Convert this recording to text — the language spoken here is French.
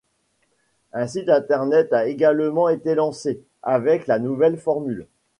Un site internet a également été lancé, avec la nouvelle formule.